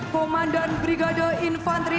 komandan brigada infantri